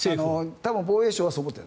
多分防衛省はそう思ってる。